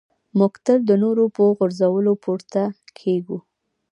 موږ تل د نورو په غورځولو پورته کېږو.